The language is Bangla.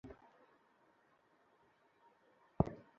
জেসন মুরিলোকে ঢুস মেরে দেখেছিলেন লাল কার্ড, ব্রাজিলও হেরে গিয়েছিল ম্যাচটা।